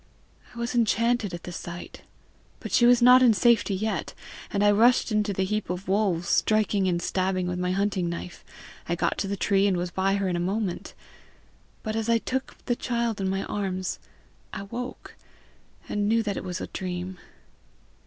I was enchanted at the sight. But she was not in safety yet, and I rushed into the heap of wolves, striking and stabbing with my hunting knife. I got to the tree, and was by her in a moment. But as I took the child in my arms I woke, and knew that it was a dream.